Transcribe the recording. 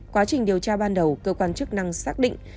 quá trình điều tra ban đầu cơ quan chức năng xác định